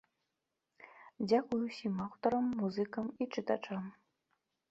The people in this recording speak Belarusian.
Дзякуй усім аўтарам, музыкам і чытачам.